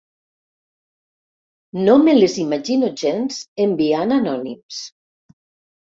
No me les imagino gens, enviant anònims!